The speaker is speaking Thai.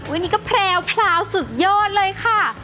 วันนี้ก็แพรวสุดยอดเลยค่ะ